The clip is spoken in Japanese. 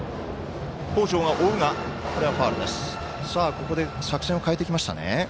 ここで作戦を変えてきましたね。